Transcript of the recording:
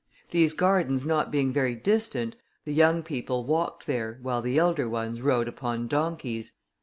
These gardens not being very distant, the young people walked there, while the elder ones rode upon donkeys.